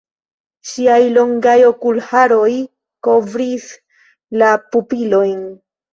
Ŝiaj longaj okulharoj kovris la pupilojn.